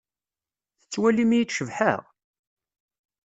Tettwalim-iyi-d cebḥeɣ?